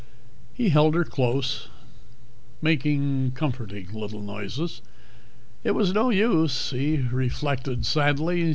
He held her close, making comforting little noises. It was no use, he reflected sadly.